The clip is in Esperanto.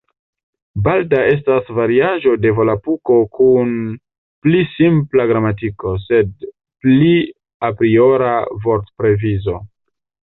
Balta estas variaĵo de Volapuko kun pli simpla gramatiko, sed pli apriora vortprovizo.